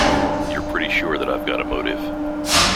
You're pretty sure that I've got a motive.